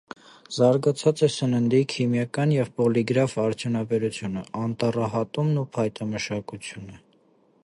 Զարգացած է սննդի, քիմիական և պոլիգրաֆ արդյունաբերությունը, անտառահատումն ու փայտամշակությունը։